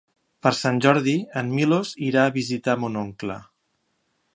Per Sant Jordi en Milos irà a visitar mon oncle.